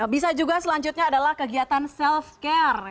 bisa juga selanjutnya adalah kegiatan self care